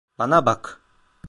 Bana bak.